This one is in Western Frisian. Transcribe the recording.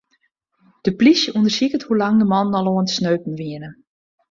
De plysje ûndersiket hoe lang de mannen al oan it streupen wiene.